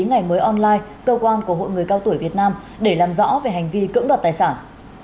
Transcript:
ngày mới online cơ quan của hội người cao tuổi việt nam để làm rõ về hành vi cưỡng đoạt tài sản